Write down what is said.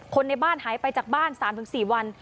ในบ้านหายไปจากบ้าน๓๔วัน